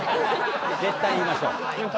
絶対言いましょう。